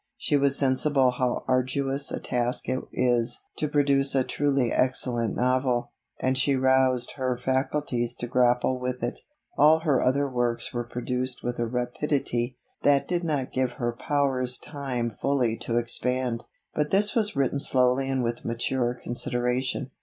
She was sensible how arduous a task it is to produce a truly excellent novel; and she roused her faculties to grapple with it. All her other works were produced with a rapidity, that did not give her powers time fully to expand. But this was written slowly and with mature consideration.